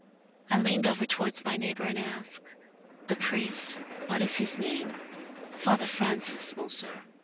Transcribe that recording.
I leaned over towards my neighbor and asked, "The priest what is his name?" "Father Francis, Monsieur!"